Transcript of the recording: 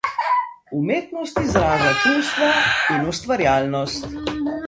Umetnost izraža čustva in ustvarjalnost.